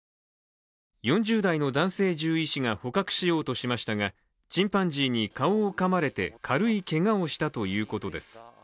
４０代の男性獣医師が捕獲しようとしましたがチンパンジーに顔をかまれて軽いけがをしたということです。